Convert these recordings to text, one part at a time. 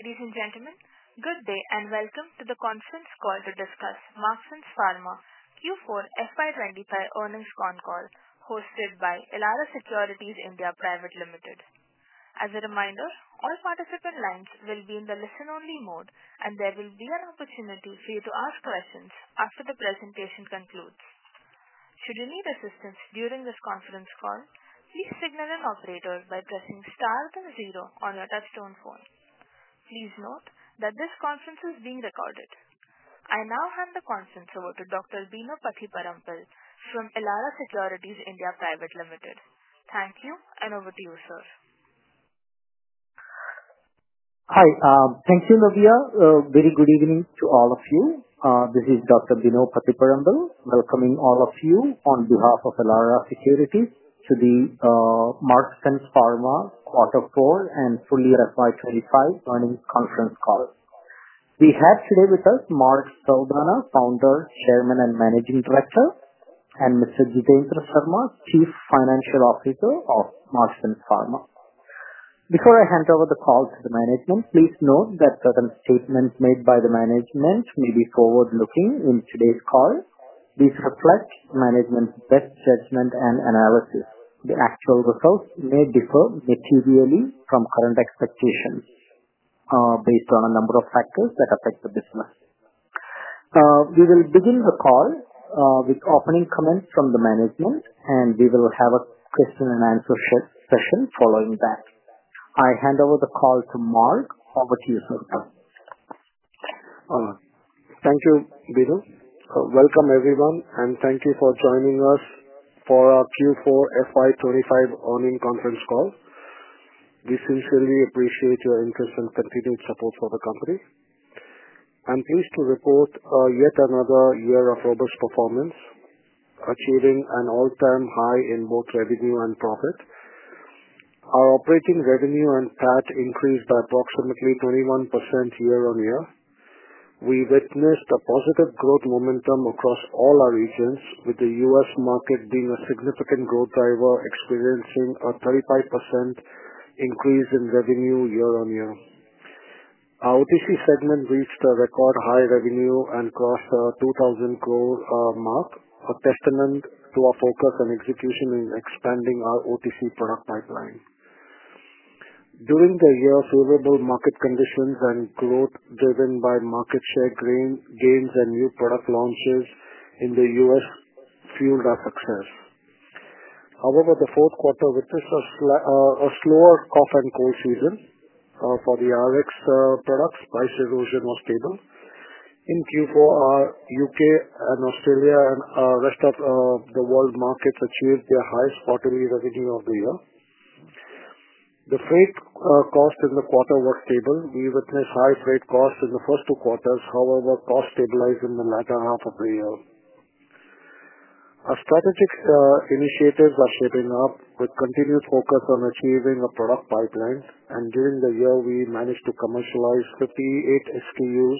Ladies and gentlemen, good day and welcome to the conference call to discuss Marksans Pharma Q4 FY2025 earnings con call hosted by Elara Securities India Pvt. Ltd. As a reminder, all participant lines will be in the listen-only mode, and there will be an opportunity for you to ask questions after the presentation concludes. Should you need assistance during this conference call, please signal an operator by pressing star then zero on your touch-tone phone. Please note that this conference is being recorded. I now hand the conference over to Dr. Bino Pattiparampil from Elara Securities India Pvt. Ltd. Thank you, and over to you, sir. Hi, thank you, Navia. Very good evening to all of you. This is Dr. Bino Pathiparampil welcoming all of you on behalf of Elara Securities to the Marksans Pharma Q4 and FY25 earnings conference call. We have today with us Marksans Pharma Founder Chairman and Managing Director, and Mr. Jitendra Sharma, Chief Financial Officer of Marksans Pharma. Before I hand over the call to the management, please note that certain statements made by the management may be forward-looking in today's call. These reflect management's best judgment and analysis. The actual results may differ materially from current expectations based on a number of factors that affect the business. We will begin the call with opening comments from the management, and we will have a question-and-answer session following that. I hand over the call to Mark. Over to you, sir. Thank you, Bino. Welcome, everyone, and thank you for joining us for our Q4 FY2025 earnings conference call. We sincerely appreciate your interest and continued support for the company. I'm pleased to report yet another year of robust performance, achieving an all-time high in both revenue and profit. Our operating revenue and PAT increased by approximately 21% year-on-year. We witnessed a positive growth momentum across all our regions, with the U.S. market being a significant growth driver, experiencing a 35% increase in revenue year-on-year. Our OTC segment reached a record high revenue and crossed the 2,000 crore mark, a testament to our focus and execution in expanding our OTC product pipeline. During the year, favorable market conditions and growth driven by market share gains and new product launches in the U.S. fueled our success. However, the fourth quarter witnessed a slower cough and cold season for the RX products. Price erosion was stable. In Q4, our U.K. and Australia and rest of the world markets achieved their highest quarterly revenue of the year. The freight costs in the quarter were stable. We witnessed high freight costs in the first two quarters, however, costs stabilized in the latter half of the year. Our strategic initiatives are shaping up, with continued focus on achieving a product pipeline, and during the year, we managed to commercialize 58 SKUs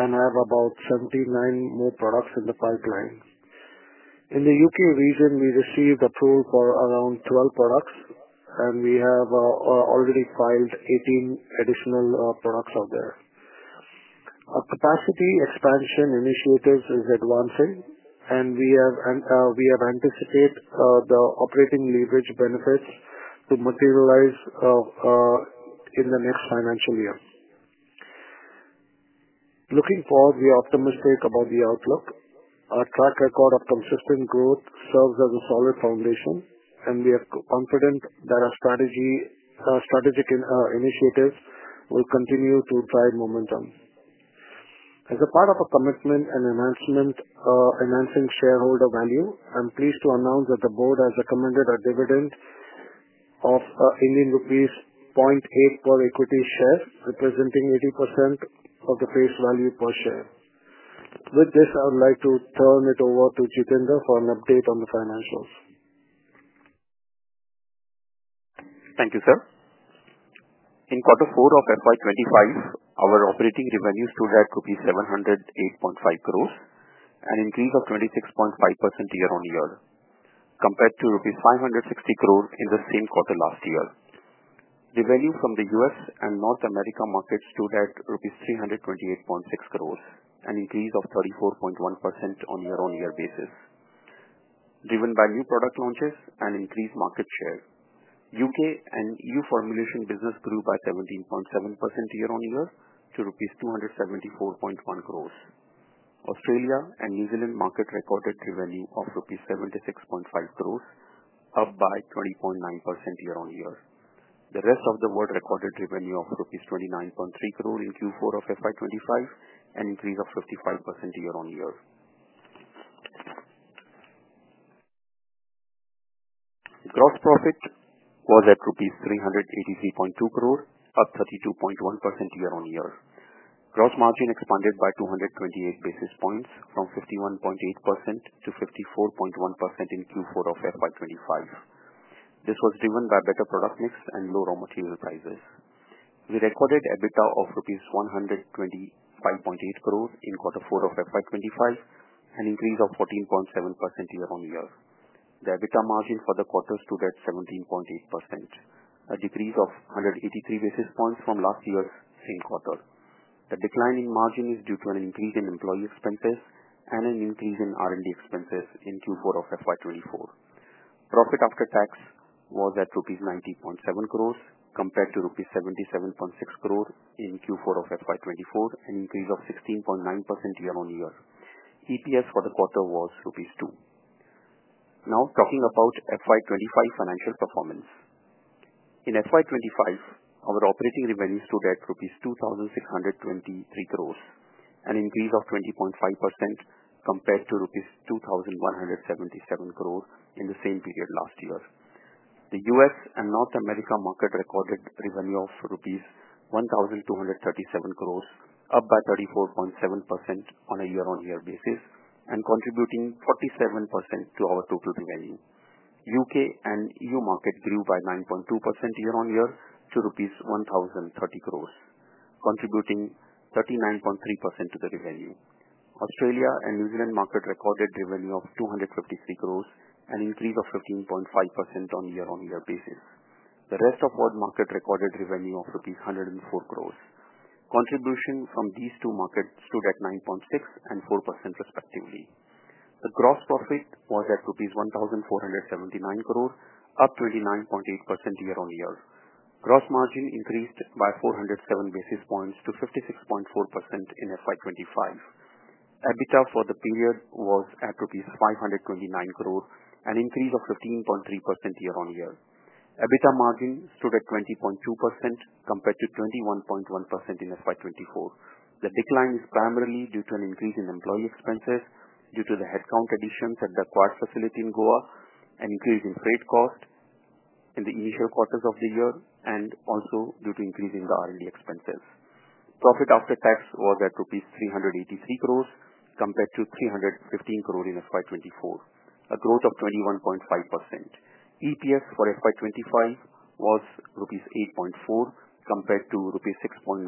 and have about 79 more products in the pipeline. In the U.K. region, we received approval for around 12 products, and we have already filed 18 additional products out there. Our capacity expansion initiatives are advancing, and we anticipate the operating leverage benefits to materialize in the next financial year. Looking forward, we are optimistic about the outlook. Our track record of consistent growth serves as a solid foundation, and we are confident that our strategic initiatives will continue to drive momentum. As a part of our commitment and enhancing shareholder value, I'm pleased to announce that the board has recommended a dividend of Indian rupees 0.8 per equity share, representing 80% of the face value per share. With this, I would like to turn it over to Jitendra for an update on the financials. Thank you, sir. In Q4 of FY2025, our operating revenue stood at 708.5 crore rupees, an increase of 26.5% year-on-year, compared to rupees 560 crore in the same quarter last year. Revenue from the U.S. and North America markets stood at INR 328.6 crore, an increase of 34.1% on a year-on-year basis, driven by new product launches and increased market share. U.K. and EU formulation business grew by 17.7% year-on-year to rupees 274.1 crore. Australia and New Zealand market recorded revenue of rupees 76.5 crore, up by 20.9% year-on-year. The rest of the world recorded revenue of INR 29.3 crore in Q4 of FY2025, an increase of 55% year-on-year. Gross profit was at INR 383.2 crore, up 32.1% year-on-year. Gross margin expanded by 228 basis points, from 51.8% to 54.1% in Q4 of FY2025. This was driven by better product mix and low raw material prices. We recorded EBITDA of INR 125.8 crore in Q4 of FY 2025, an increase of 14.7% year-on-year. The EBITDA margin for the quarter stood at 17.8%, a decrease of 183 basis points from last year's same quarter. The decline in margin is due to an increase in employee expenses and an increase in R&D expenses in Q4 of FY 2024. Profit after tax was at rupees 90.7 crore, compared to rupees 77.6 crore in Q4 of FY 2024, an increase of 16.9% year-on-year. EPS for the quarter was rupees 2. Now, talking about FY 2025 financial performance. In FY 2025, our operating revenue stood at rupees 2,623 crore, an increase of 20.5% compared to rupees 2,177 crore in the same period last year. The U.S. and North America market recorded revenue of rupees 1,237 crore, up by 34.7% on a year-on-year basis, and contributing 47% to our total revenue. U.K. and EU market grew by 9.2% year-on-year to rupees 1,030 crore, contributing 39.3% to the revenue. Australia and New Zealand market recorded revenue of 253 crore, an increase of 15.5% on a year-on-year basis. The rest of world market recorded revenue of INR 104 crore. Contribution from these two markets stood at 9.6% and 4% respectively. The gross profit was at INR 1,479 crore, up 29.8% year-on-year. Gross margin increased by 407 basis points to 56.4% in FY 2025. EBITDA for the period was at rupees 529 crore, an increase of 15.3% year-on-year. EBITDA margin stood at 20.2% compared to 21.1% in FY 2024. The decline is primarily due to an increase in employee expenses due to the headcount additions at the QUAD facility in Goa, an increase in freight cost in the initial quarters of the year, and also due to increasing the R&D expenses. Profit after tax was at INR 383 crore compared to INR 315 crore in FY 2024, a growth of 21.5%. EPS for FY 2025 was rupees 8.4 compared to rupees 6.9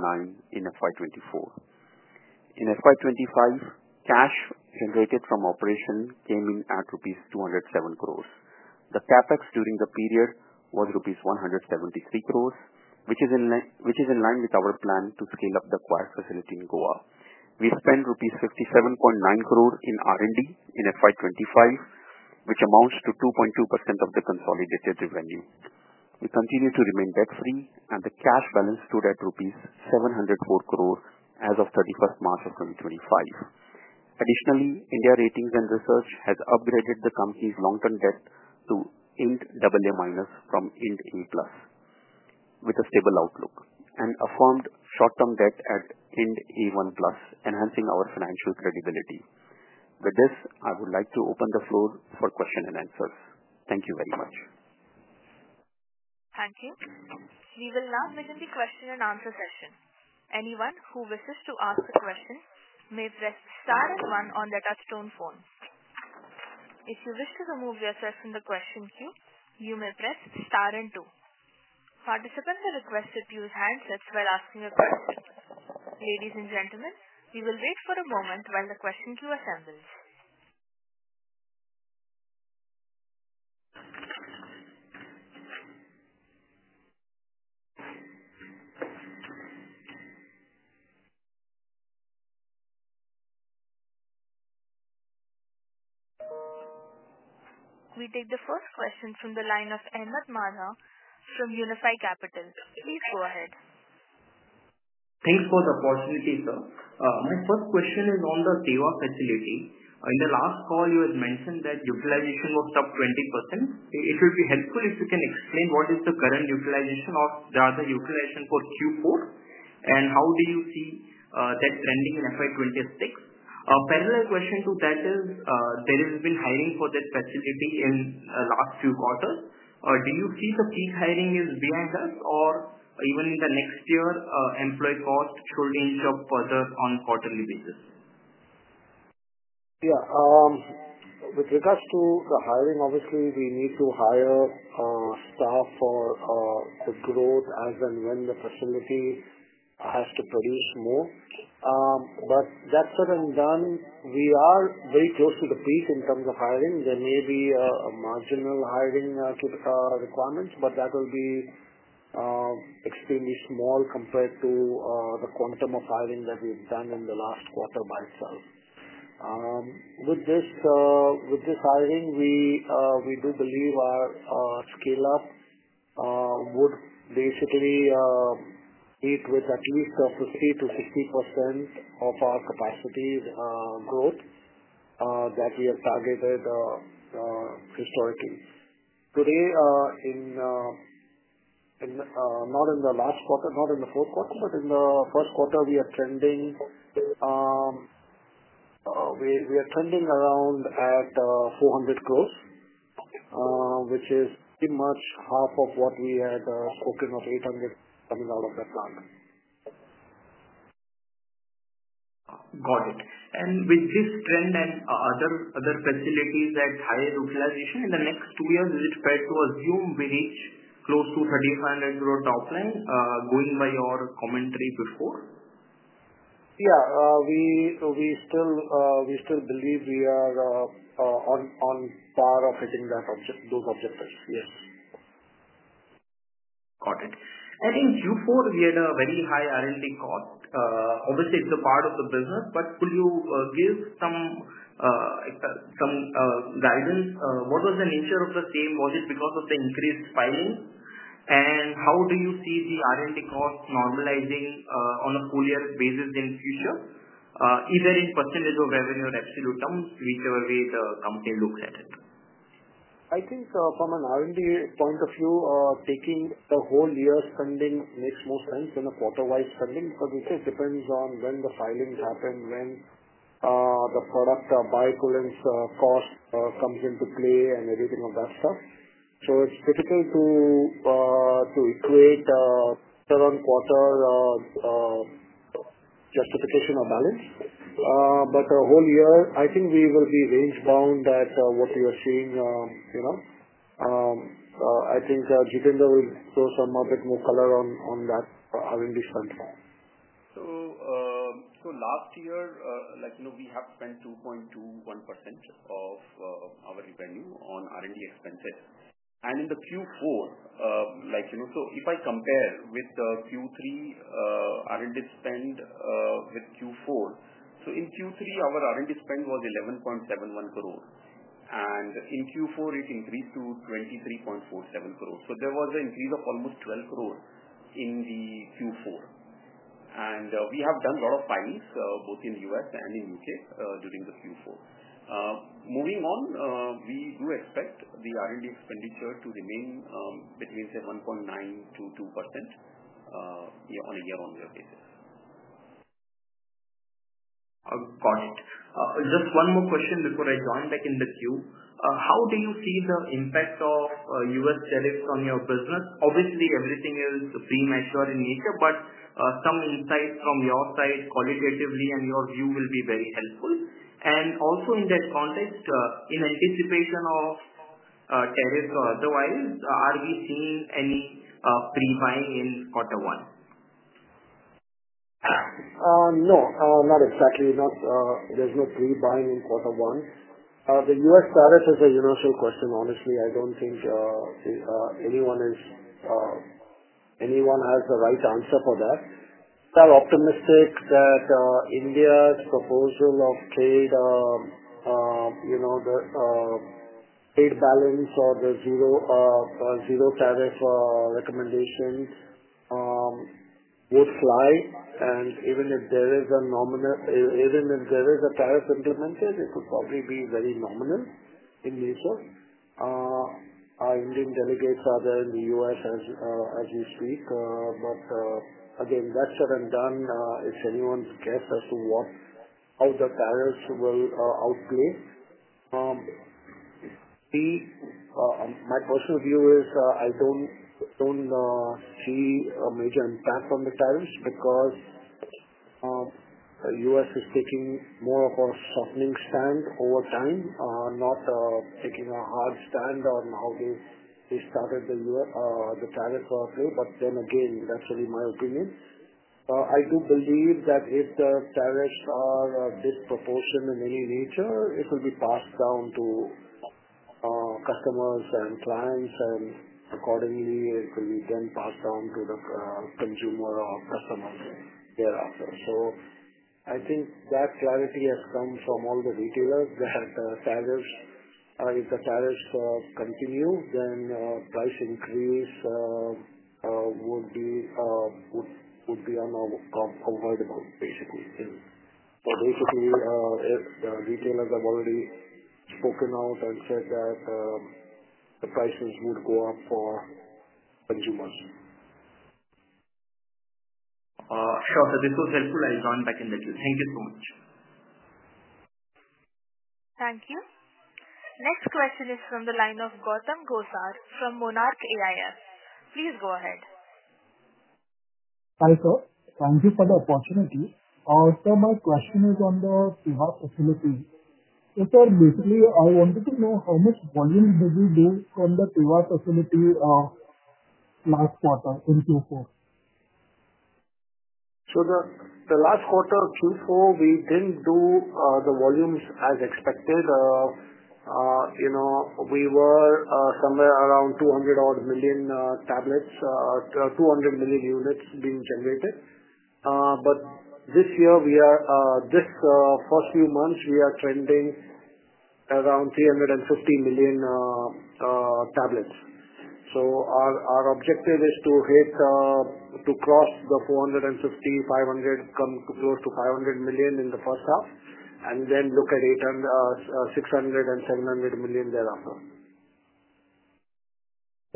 in FY 2024. In FY 2025, cash generated from operation came in at rupees 207 crore. The CapEx during the period was rupees 173 crore, which is in line with our plan to scale up the QUAD facility in Goa. We spent 57.9 crore rupees in R&D in FY 2025, which amounts to 2.2% of the consolidated revenue. We continue to remain debt-free, and the cash balance stood at rupees 704 crore as of 31st March 2025. Additionally, India Ratings and Research has upgraded the company's long-term debt to AA- from AA+, with a stable outlook, and affirmed short-term debt at A1+, enhancing our financial credibility. With this, I would like to open the floor for questions and answers. Thank you very much. Thank you. We will now begin the question-and-answer session. Anyone who wishes to ask a question may press star and one on their touch-tone phone. If you wish to remove yourself from the question queue, you may press star and two. Participants are requested to use handsets while asking a question. Ladies and gentlemen, we will wait for a moment while the question queue assembles. We take the first question from the line of Endmath Marha from Unifi Capital. Please go ahead. Thanks for the opportunity, sir. My first question is on the Teva facility. In the last call, you had mentioned that utilization was up 20%. It would be helpful if you can explain what is the current utilization or rather utilization for Q4, and how do you see that trending in FY2026? A parallel question to that is, there has been hiring for that facility in the last few quarters. Do you see the peak hiring is behind us, or even in the next year, employee cost should inch up further on quarterly basis? Yeah. With regards to the hiring, obviously, we need to hire staff for the growth as and when the facility has to produce more. That said and done, we are very close to the peak in terms of hiring. There may be marginal hiring requirements, but that will be extremely small compared to the quantum of hiring that we've done in the last quarter by itself. With this hiring, we do believe our scale-up would basically meet with at least 50%-60% of our capacity growth that we have targeted historically. Today, not in the last quarter, not in the fourth quarter, but in the first quarter, we are trending around at 400 crore, which is pretty much half of what we had spoken of, 800 crore coming out of that plant. Got it. With this trend and other facilities at higher utilization in the next two years, is it fair to assume we reach close to 3,500 top line, going by your commentary before? Yeah. We still believe we are on par of hitting those objectives. Yes. Got it. In Q4, we had a very high R&D cost. Obviously, it's a part of the business, but could you give some guidance? What was the nature of the same? Was it because of the increased filing? How do you see the R&D cost normalizing on a full-year basis in future, either in percentage of revenue or absolute terms, whichever way the company looks at it? I think from an R&D point of view, taking the whole year's spending makes more sense than a quarter-wise spending because it depends on when the filings happen, when the product buy-to-lence cost comes into play, and everything of that stuff. It is difficult to equate a third-quarter justification or balance. The whole year, I think we will be range-bound at what we are seeing. I think Jitendra will throw some more color on that R&D spend. Last year, we have spent 2.21% of our revenue on R&D expenses. In Q4, if I compare the Q3 R&D spend with Q4, in Q3, our R&D spend was 11.71 crore. In Q4, it increased to 23.47 crore. There was an increase of almost 12 crore in Q4. We have done a lot of filings, both in the U.S. and in the U.K., during Q4. Moving on, we do expect the R&D expenditure to remain between 1.9%-2% on a year-on-year basis. Got it. Just one more question before I join back in the queue. How do you see the impact of U.S. tariffs on your business? Obviously, everything is premature in nature, but some insights from your side, qualitatively and your view, will be very helpful. Also in that context, in anticipation of tariffs or otherwise, are we seeing any pre-buying in Quarter One? No. Not exactly. There's no pre-buying in Quarter One. The U.S. tariff is a universal question. Honestly, I don't think anyone has the right answer for that. We are optimistic that India's proposal of trade balance or the zero tariff recommendation would fly. Even if there is a nominal, even if there is a tariff implemented, it would probably be very nominal in nature. Our Indian delegates are there in the U.S. as we speak. That said and done, it's anyone's guess as to how the tariffs will outplay. My personal view is I don't see a major impact on the tariffs because the U.S. is taking more of a softening stand over time, not taking a hard stand on how they started the tariff play. Then again, that's only my opinion. I do believe that if the tariffs are disproportionate in any nature, it will be passed down to customers and clients, and accordingly, it will be then passed down to the consumer or customers thereafter. I think that clarity has come from all the retailers that if the tariffs continue, then price increase would be avoidable, basically. Basically, the retailers have already spoken out and said that the prices would go up for consumers. Sure. This was helpful. I'll join back in the queue. Thank you so much. Thank you. Next question is from the line of Gautam Gosar from Monarch AIF. Please go ahead. Hi sir. Thank you for the opportunity. Also, my question is on the Teva facility. Basically, I wanted to know how much volume did you do from the Teva facility last quarter in Q4? The last quarter of Q4, we did not do the volumes as expected. We were somewhere around 200-odd million tablets, 200 million units being generated. This year, these first few months, we are trending around 350 million tablets. Our objective is to cross the 450-500, come close to 500 million in the first half, and then look at 800, 600, and 700 million thereafter.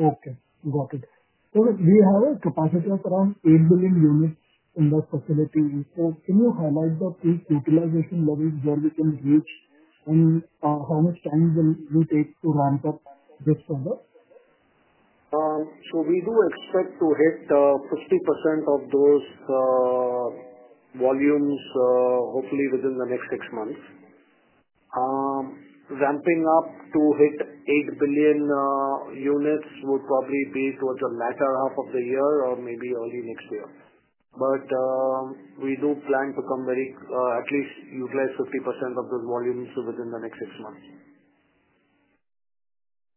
Okay. Got it. We have a capacity of around 8 million units in the facility. Can you highlight the peak utilization levels where we can reach, and how much time will it take to ramp up this further? We do expect to hit 50% of those volumes, hopefully within the next six months. Ramping up to hit 8 billion units would probably be towards the latter half of the year or maybe early next year. We do plan to come very at least utilize 50% of those volumes within the next six months.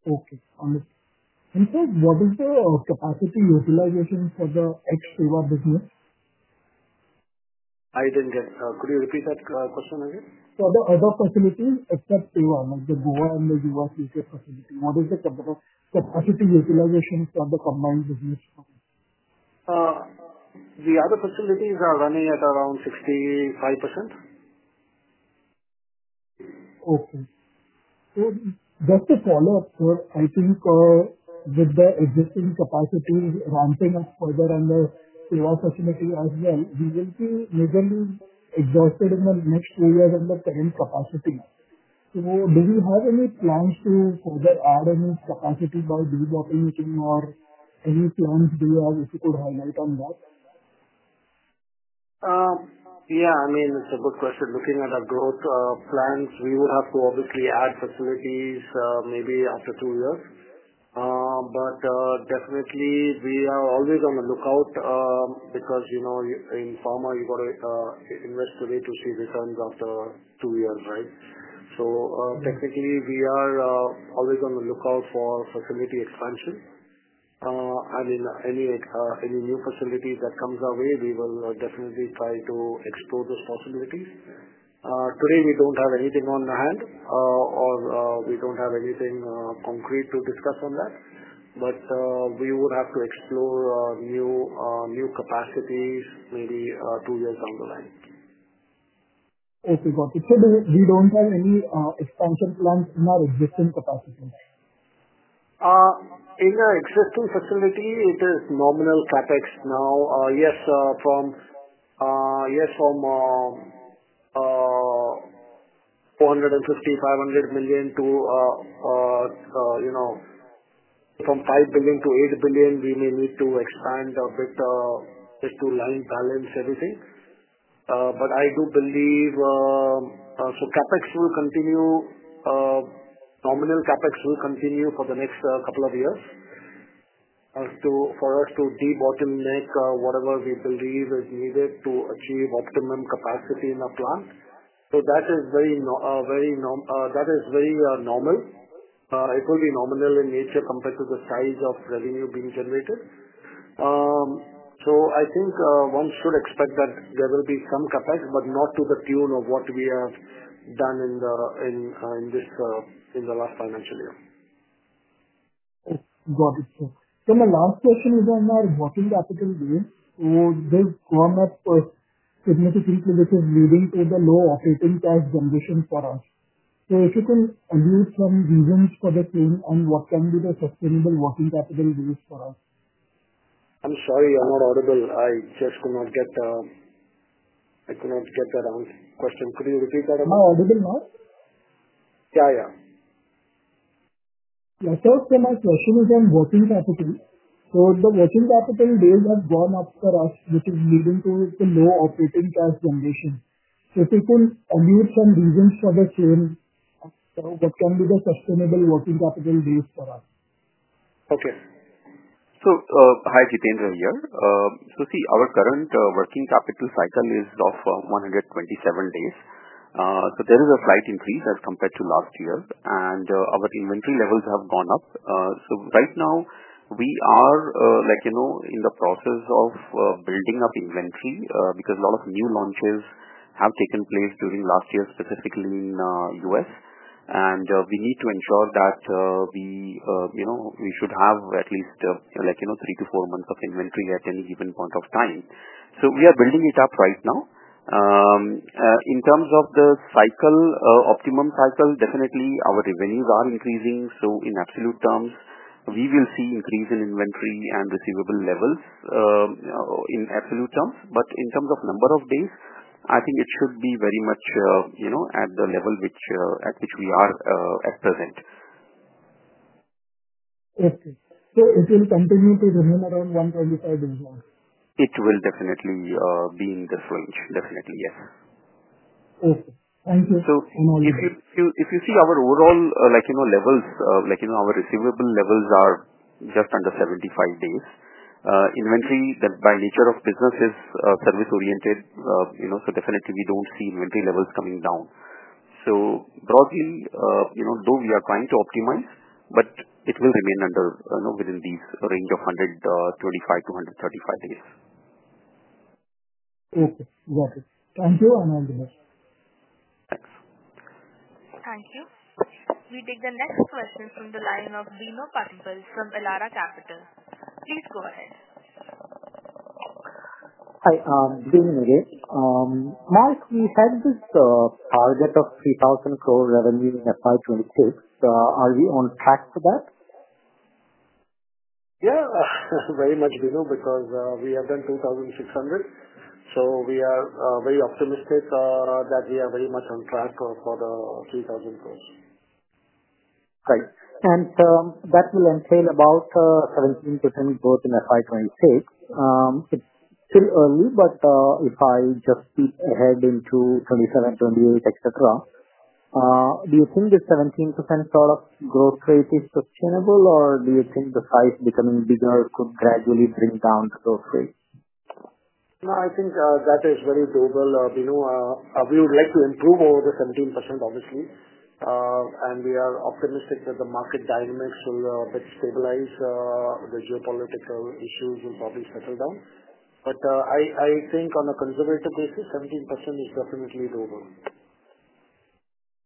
Okay. Sir, what is the capacity utilization for the ex-Teva business? I didn't get it. Could you repeat that question again? For the other facilities except Teva, like the Goa and the U.S.-U.K. facility, what is the capacity utilization for the combined business? The other facilities are running at around 65%. Okay. Just to follow up, sir, I think with the existing capacity ramping up further on the Teva facility as well, we will be majorly exhausted in the next two years on the current capacity. Do we have any plans to further add any capacity by deblocking it, or any plans do you have if you could highlight on that? Yeah. I mean, it's a good question. Looking at our growth plans, we would have to obviously add facilities maybe after two years. Definitely, we are always on the lookout because in pharma, you've got to investigate to see returns after two years, right? Technically, we are always on the lookout for facility expansion. In any new facility that comes our way, we will definitely try to explore those possibilities. Today, we don't have anything on the hand, or we don't have anything concrete to discuss on that. We would have to explore new capacities maybe two years down the line. Okay. Got it. So we don't have any expansion plans in our existing capacity? In our existing facility, it is nominal CapEx now. Yes, from 450 million-500 million to from 5 billion-8 billion, we may need to expand a bit to line balance everything. I do believe CapEx will continue. Nominal CapEx will continue for the next couple of years for us to de-bottleneck whatever we believe is needed to achieve optimum capacity in the plant. That is very normal. It will be nominal in nature compared to the size of revenue being generated. I think one should expect that there will be some CapEx, but not to the tune of what we have done in this last financial year. Got it, sir. My last question is on our working capital gain. There's grown up significantly, which is leading to the low operating cash generation for us. If you can allude some reasons for the change and what can be the sustainable working capital gains for us? I'm sorry, you're not audible. I just could not get the question. Could you repeat that again? Am I audible now? Yeah, yeah. Yeah. My question is on working capital. The working capital gains have gone up for us, which is leading to the low operating cash generation. If you could allude some reasons for the change, what can be the sustainable working capital gains for us? Okay. Hi, Jitendra here. See, our current working capital cycle is 127 days. There is a slight increase as compared to last year. Our inventory levels have gone up. Right now, we are in the process of building up inventory because a lot of new launches have taken place during last year, specifically in the U.S. We need to ensure that we should have at least three to four months of inventory at any given point of time. We are building it up right now. In terms of the optimum cycle, definitely our revenues are increasing. In absolute terms, we will see increase in inventory and receivable levels in absolute terms. In terms of number of days, I think it should be very much at the level at which we are at present. Okay. So it will continue to remain around 125 days now? It will definitely be in this range. Definitely, yes. Okay. Thank you. If you see our overall levels, our receivable levels are just under 75 days. Inventory, by nature of business, is service-oriented. Definitely, we do not see inventory levels coming down. Broadly, though we are trying to optimize, it will remain within this range of 125-135 days. Okay. Got it. Thank you. All the best. Thanks. Thank you. We take the next question from the line of Bino Pathiparampil from Elara Securities. Please go ahead. Hi, good evening, again. Mark, we had this target of 3,000 crore revenue in FY2026. Are we on track for that? Yeah. Very much below because we have done 2,600. So we are very optimistic that we are very much on track for the 3,000 crore. Right. That will entail about 17% growth in FY2026. It's still early, but if I just peek ahead into 2027, 2028, etc., do you think this 17% sort of growth rate is sustainable, or do you think the size becoming bigger could gradually bring down the growth rate? No, I think that is very doable. We would like to improve over the 17%, obviously. We are optimistic that the market dynamics will stabilize. The geopolitical issues will probably settle down. I think on a conservative basis, 17% is definitely doable.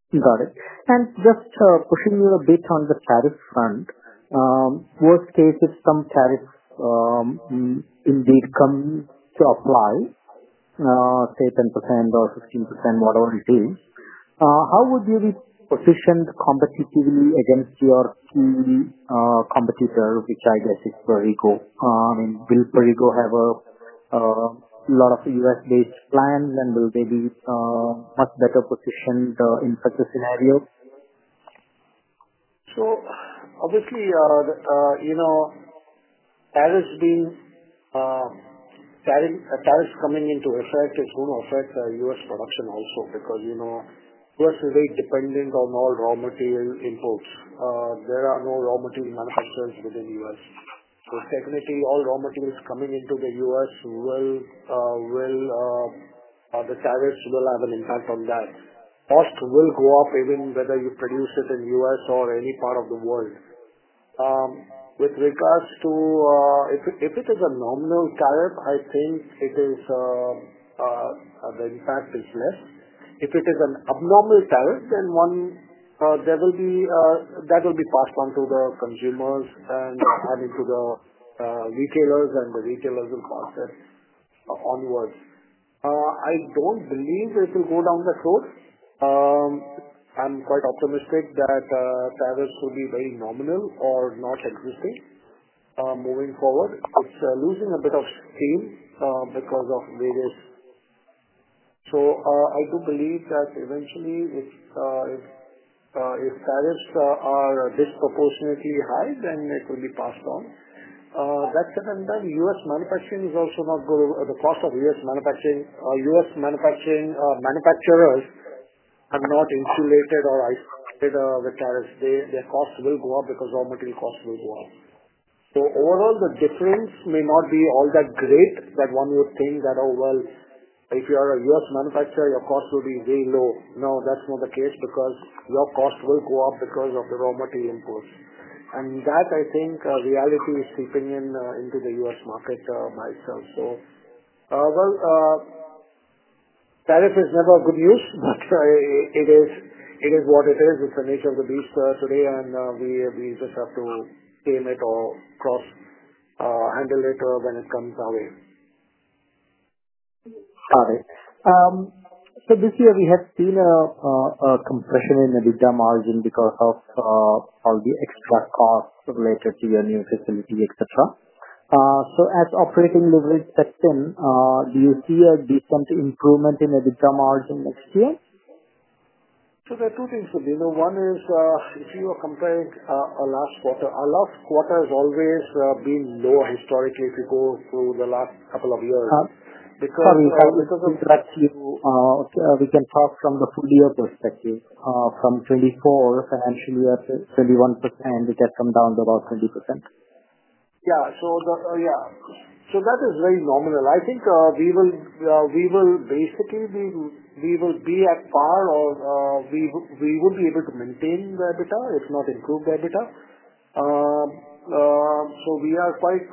Got it. Just pushing you a bit on the tariff front, worst case if some tariffs indeed come to apply, say 10% or 15%, whatever it is, how would you be positioned competitively against your key competitor, which I guess is Perrigo? I mean, will Perrigo have a lot of U.S.-based plans, and will they be much better positioned in such a scenario? Obviously, tariffs coming into effect is going to affect U.S. production also because the U.S. is very dependent on all raw material imports. There are no raw material manufacturers within the U.S. Definitely, all raw materials coming into the U.S., the tariffs will have an impact on that. Cost will go up even whether you produce it in the U.S. or any part of the world. With regards to if it is a nominal tariff, I think the impact is less. If it is an abnormal tariff, then that will be passed on to the consumers and into the retailers, and the retailers will pass that onwards. I do not believe it will go down that road. I am quite optimistic that tariffs will be very nominal or not existing moving forward. It's losing a bit of steam because of various, so I do believe that eventually, if tariffs are disproportionately high, then it will be passed on. That said, U.S. manufacturing is also not going to—the cost of U.S. manufacturing, manufacturers are not insulated or isolated with tariffs. Their costs will go up because raw material costs will go up. Overall, the difference may not be all that great that one would think that, "Oh, well, if you are a U.S. manufacturer, your cost will be very low." No, that's not the case because your cost will go up because of the raw material imports. That, I think, reality is seeping into the U.S. market myself. Tariff is never good news, but it is what it is. It's the nature of the beast today, and we just have to tame it or handle it when it comes our way. Got it. This year, we have seen a compression in EBITDA margin because of all the extra costs related to your new facility, etc. As operating levels set in, do you see a decent improvement in EBITDA margin next year? There are two things, Neil. One is if you are comparing our last quarter, our last quarter has always been lower historically if you go through the last couple of years because of. Sorry. We can talk from the full year perspective. From 2024, financially, at 21%, it has come down to about 20%. Yeah. That is very nominal. I think we will basically be at par, or we will be able to maintain the EBITDA, if not improve the EBITDA. We are quite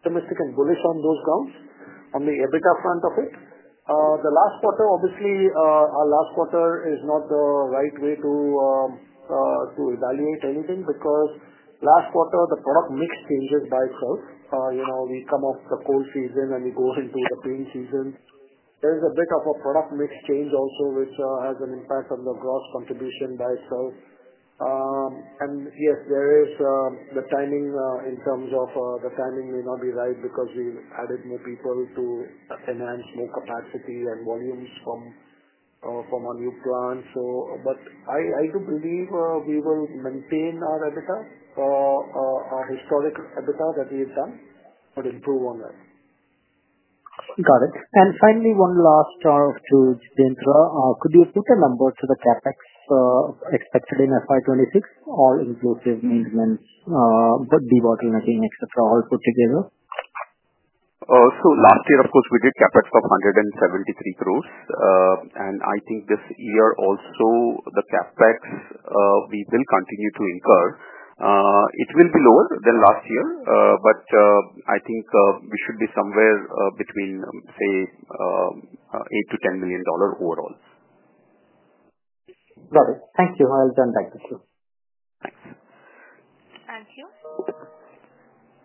optimistic and bullish on those grounds on the EBITDA front of it. The last quarter, obviously, our last quarter is not the right way to evaluate anything because last quarter, the product mix changes by itself. We come off the cold season, and we go into the rain season. There is a bit of a product mix change also, which has an impact on the gross contribution by itself. Yes, there is the timing in terms of the timing may not be right because we added more people to enhance more capacity and volumes from our new plant. I do believe we will maintain our EBITDA, our historic EBITDA that we have done, but improve on that. Got it. Finally, one last chart or two, Jitendra. Could you put a number to the CapEx expected in FY2026, all-inclusive maintenance, de-bottlenecking, etc., all put together? Last year, of course, we did CapEx of INR 173 crore. I think this year also, the CapEx, we will continue to incur. It will be lower than last year, but I think we should be somewhere between, say, $8 million-$10 million overall. Got it. Thank you. I'll turn back to you. Thanks. Thank you.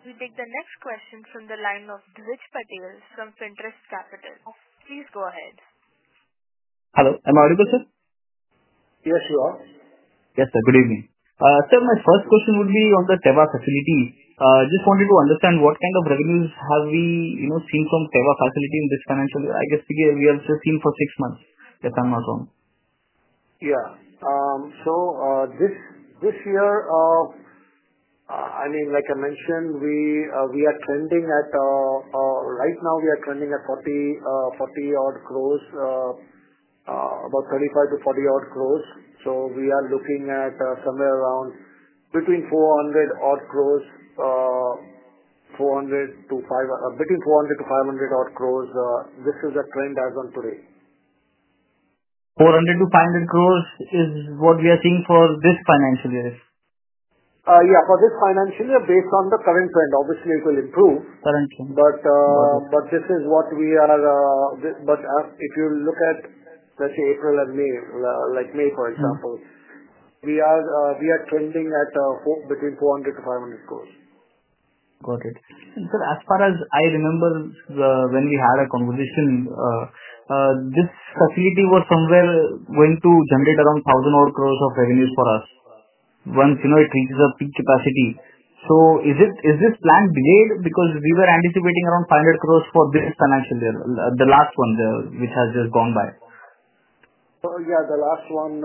We take the next question from the line of Dhvij Patel from Finterest Capital. Please go ahead. Hello. Am I audible, sir? Yes, you are. Yes, sir. Good evening. Sir, my first question would be on the Teva facility. Just wanted to understand what kind of revenues have we seen from Teva facility in this financial year? I guess we have just seen for six months, if I'm not wrong. Yeah. This year, I mean, like I mentioned, we are trending at, right now, we are trending at 40-odd crore, about 35-40-odd crore. We are looking at somewhere around between 400-odd crore, between 400-500-odd crore. This is a trend as of today. 400-500 crore is what we are seeing for this financial year? Yeah. For this financial year, based on the current trend, obviously, it will improve. Currently. This is what we are, but if you look at, let's say, April and May, like May, for example, we are trending at between 400 crore-500 crore. Got it. Sir, as far as I remember when we had a conversation, this facility was somewhere going to generate around INR 1,000 crore of revenues for us once it reaches a peak capacity. Is this plan delayed because we were anticipating around 500 crore for this financial year, the last one which has just gone by? Yeah. The last one,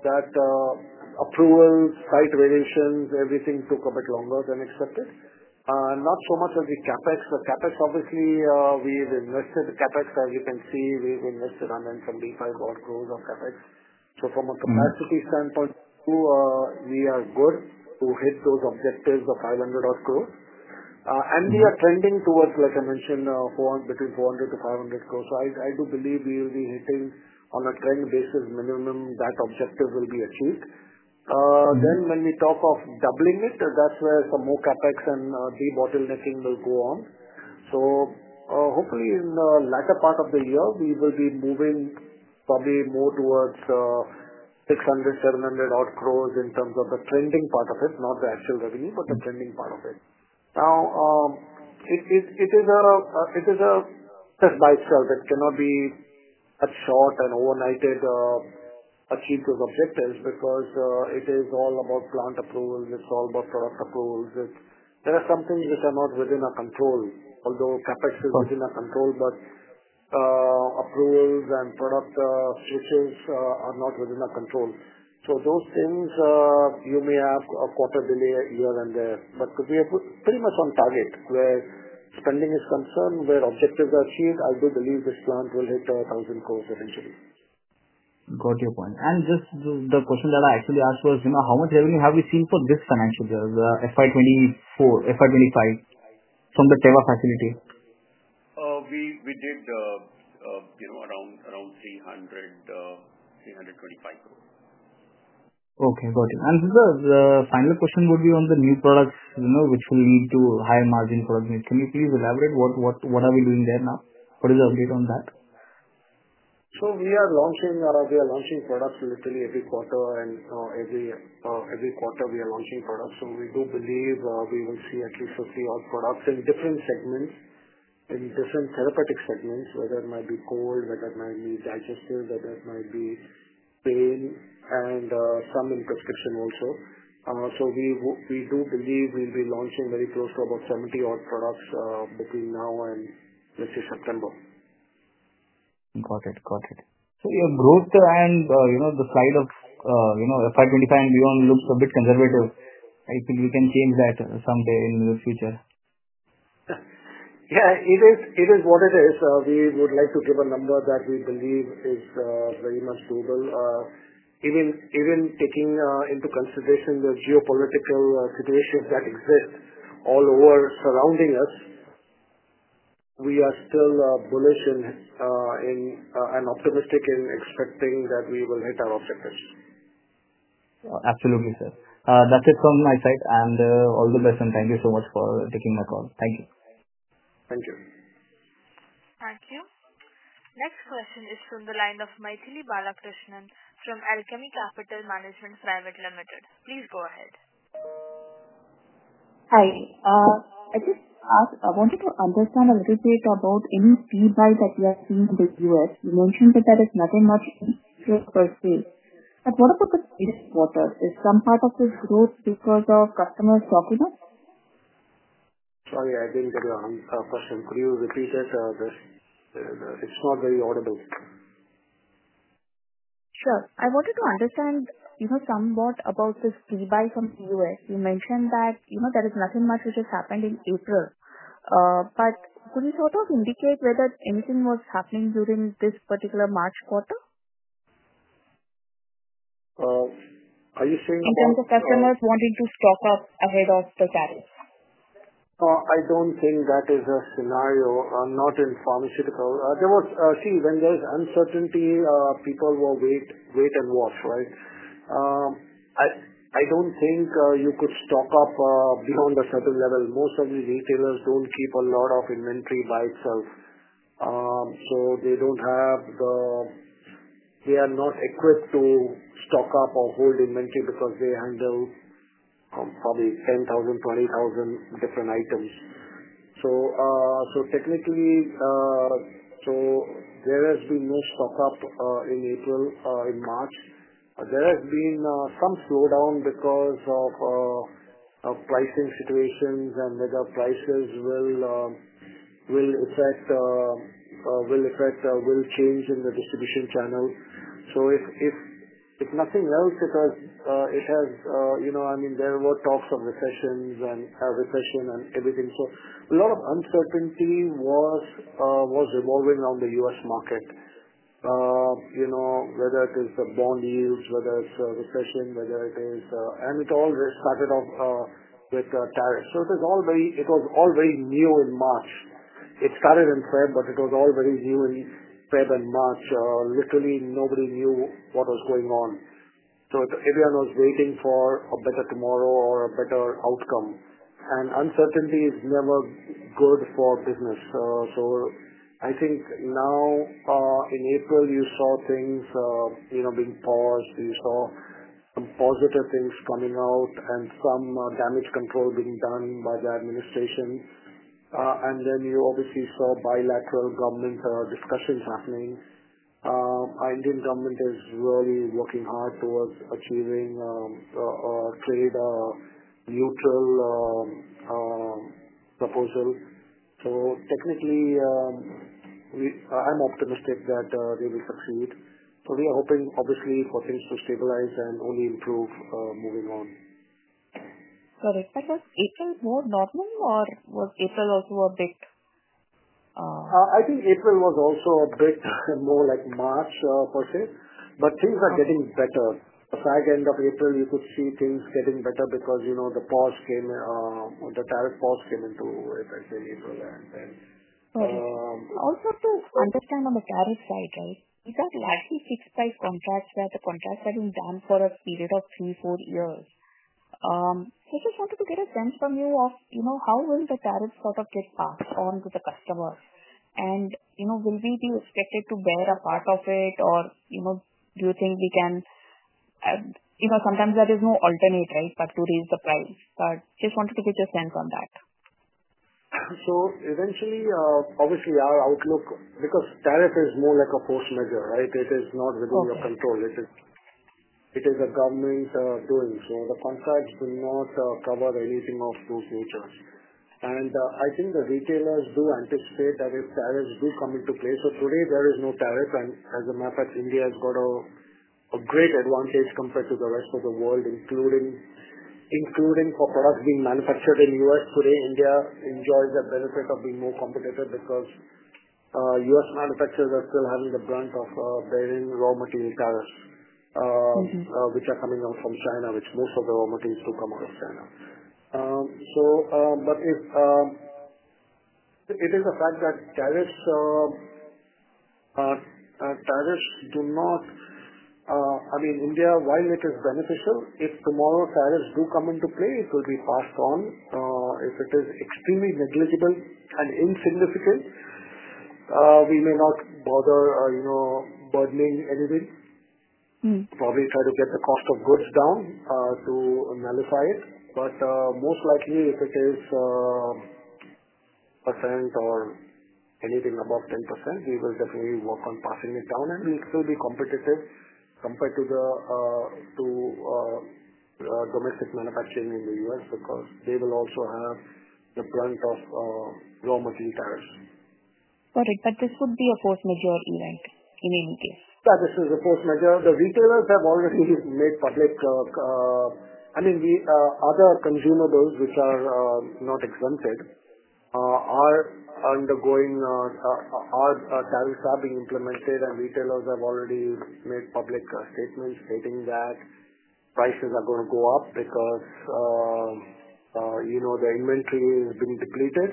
that approval, site variations, everything took a bit longer than expected. Not so much on the CapEx. The CapEx, obviously, we have invested. The CapEx, as you can see, we have invested around 250,000,000-odd of CapEx. From a capacity standpoint, we are good to hit those objectives of 5,000,000,000-odd. We are trending towards, like I mentioned, between 4,000,000,000 and INR 5,000,000,000. I do believe we will be hitting on a trend basis minimum, that objective will be achieved. When we talk of doubling it, that is where some more CapEx and de-bottlenecking will go on. Hopefully, in the latter part of the year, we will be moving probably more towards INR 6,000,000,000-INR 7,000,000,000-odd in terms of the trending part of it, not the actual revenue, but the trending part of it. Now, it is a test by itself. It cannot be a short and overnighted achieve those objectives because it is all about plant approvals. It's all about product approvals. There are some things which are not within our control, although CapEx is within our control, but approvals and product switches are not within our control. You may have a quarter delay here and there. We are pretty much on target where spending is concerned, where objectives are achieved. I do believe this plant will hit 1,000 crore eventually. Got your point. Just the question that I actually asked was how much revenue have we seen for this financial year, 2024, 2025, from the Teva facility? We did around 325 crore. Okay. Got it. Sir, the final question would be on the new products which will lead to high margin products. Can you please elaborate what are we doing there now? What is the update on that? We are launching products literally every quarter, and every quarter, we are launching products. We do believe we will see at least 50-odd products in different segments, in different therapeutic segments, whether it might be cold, whether it might be digestive, whether it might be pain, and some in prescription also. We do believe we'll be launching very close to about 70-odd products between now and, let's say, September. Got it. Got it. So your growth and the slide of FY 2025 and beyond looks a bit conservative. I think we can change that someday in the future. Yeah. It is what it is. We would like to give a number that we believe is very much doable. Even taking into consideration the geopolitical situations that exist all over surrounding us, we are still bullish and optimistic in expecting that we will hit our objectives. Absolutely, sir. That's it from my side. All the best, and thank you so much for taking my call. Thank you. Thank you. Thank you. Next question is from the line of Mythili Balakrishnan from Alchemy Capital Management Private Limited. Please go ahead. Hi. I just wanted to understand a little bit about any feedback that we have seen in the U.S. You mentioned that it's nothing much in the U.S. per se. What about the fresh water? Is some part of this growth because of customers talking up? Sorry, I didn't get your question. Could you repeat it? It's not very audible. Sure. I wanted to understand somewhat about this feedback from the U.S.. You mentioned that there is nothing much which has happened in April. Could you sort of indicate whether anything was happening during this particular March quarter? Are you saying that? In terms of customers wanting to stock up ahead of the tariffs? I don't think that is a scenario, not in pharmaceutical. See, when there's uncertainty, people will wait and watch, right? I don't think you could stock up beyond a certain level. Most of the retailers don't keep a lot of inventory by itself. They are not equipped to stock up or hold inventory because they handle probably 10,000-20,000 different items. Technically, there has been no stock up in April, in March. There has been some slowdown because of pricing situations and whether prices will change in the distribution channel. If nothing else, I mean, there were talks of recession and everything. A lot of uncertainty was evolving around the U.S. market, whether it is the bond yields, whether it's a recession, and it all started off with tariffs. It was all very new in March. It started in February, but it was all very new in February and March. Literally, nobody knew what was going on. Everyone was waiting for a better tomorrow or a better outcome. Uncertainty is never good for business. I think now, in April, you saw things being paused. You saw some positive things coming out and some damage control being done by the administration. You obviously saw bilateral government discussions happening. The Indian government is really working hard towards achieving a trade-neutral proposal. Technically, I'm optimistic that they will succeed. We are hoping, obviously, for things to stabilize and only improve moving on. Got it. Was April more normal, or was April also a bit? I think April was also a bit more like March per se. Things are getting better. The second end of April, you could see things getting better because the pause came, the tariff pause came into effect in April and then. Got it. Also, to understand on the tariff side, right, these are largely fixed-price contracts that the contracts have been done for a period of three, four years. I just wanted to get a sense from you of how will the tariffs sort of get passed on to the customers? Will we be expected to bear a part of it, or do you think we can sometimes there is no alternate, right, but to raise the price? I just wanted to get your sense on that. Eventually, obviously, our outlook because tariff is more like a force majeure, right? It is not within your control. It is a government doing. The contracts do not cover anything of those nature. I think the retailers do anticipate that if tariffs do come into play. Today, there is no tariff. As a matter of fact, India has got a great advantage compared to the rest of the world, including for products being manufactured in the U.S.. Today, India enjoys the benefit of being more competitive because U.S. manufacturers are still having the brunt of bearing raw material tariffs, which are coming out from China, which most of the raw materials do come out of China. It is a fact that tariffs do not, I mean, India, while it is beneficial, if tomorrow tariffs do come into play, it will be passed on. If it is extremely negligible and insignificant, we may not bother burdening anything. Probably try to get the cost of goods down to nullify it. Most likely, if it is % or anything above 10%, we will definitely work on passing it down. We'll still be competitive compared to domestic manufacturing in the U.S. because they will also have the brunt of raw material tariffs. Got it. This would be a force majeure event in any case. Yeah. This is a force majeure. The retailers have already made public, I mean, other consumables which are not exempted are undergoing tariffs, are being implemented, and retailers have already made public statements stating that prices are going to go up because the inventory has been depleted.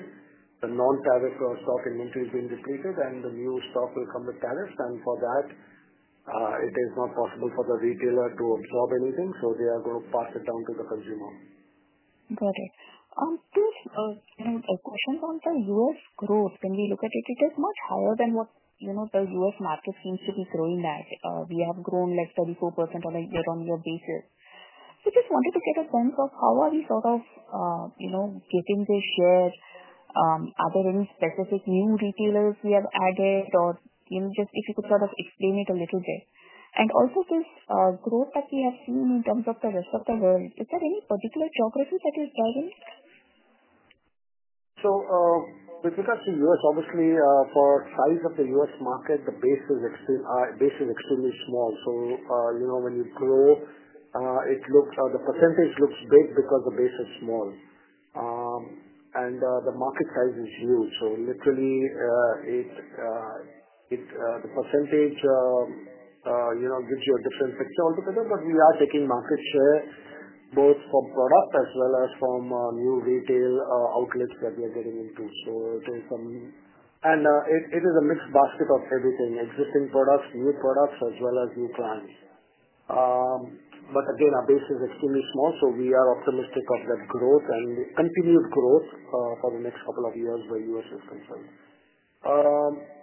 The non-tariff stock inventory has been depleted, and the new stock will come with tariffs. For that, it is not possible for the retailer to absorb anything. They are going to pass it down to the consumer. Got it. Just a question on the U.S. growth. When we look at it, it is much higher than what the U.S. market seems to be growing at. We have grown like 34% on a year-on-year basis. Just wanted to get a sense of how are we sort of getting this share? Are there any specific new retailers we have added? If you could sort of explain it a little bit. Also, this growth that we have seen in terms of the rest of the world, is there any particular geography that is driving it? With regards to the U.S., obviously, for size of the U.S. market, the base is extremely small. When you grow, the percentage looks big because the base is small. The market size is huge. Literally, the percentage gives you a different picture altogether. We are taking market share both from product as well as from new retail outlets that we are getting into. It is a mixed basket of everything: existing products, new products, as well as new clients. Again, our base is extremely small. We are optimistic of that growth and continued growth for the next couple of years where the U.S. is concerned.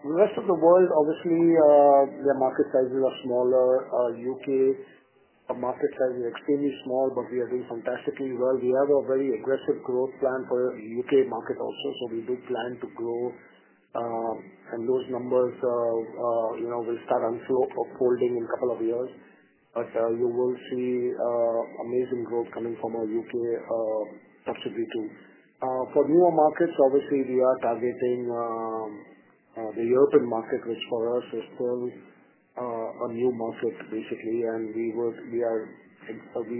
The rest of the world, obviously, their market sizes are smaller. U.K. market size is extremely small, but we are doing fantastically well. We have a very aggressive growth plan for the U.K. market also. We do plan to grow. Those numbers will start unfolding in a couple of years. You will see amazing growth coming from our U.K. subsidy too. For newer markets, obviously, we are targeting the European market, which for us is still a new market, basically. We